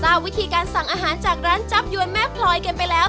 วิธีการสั่งอาหารจากร้านจับยวนแม่พลอยกันไปแล้ว